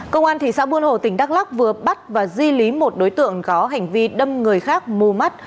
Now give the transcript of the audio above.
công an thị xã buôn hồ tỉnh đắk lắc vừa bắt và di lý một đối tượng có hành vi đâm người khác mù mắt